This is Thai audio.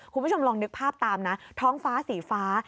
คุณผู้ชมลองนึกภาพตามนะท้องฟ้าสีฟ้า